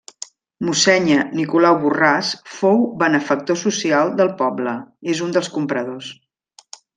Mossènyer Nicolau Borràs, futur benefactor social del poble, és un dels compradors.